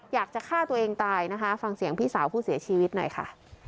อยากจะฆ่าตัวเองตายนะคะฟังเสียงพี่สาวผู้เสียชีวิตหน่อยค่ะ